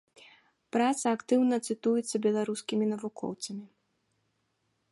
Праца актыўна цытуецца беларускімі навукоўцамі.